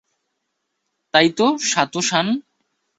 তাই তো, সাতো-সান?